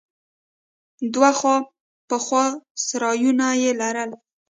دوه خوا په خوا سرايونه يې لرل.